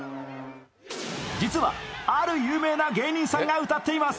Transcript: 実は、ある有名な芸人さんが歌っています。